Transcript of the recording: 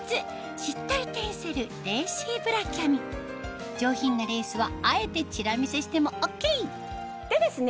しっとりテンセルレーシーブラキャミ上品なレースはあえてチラ見せしてもＯＫでですね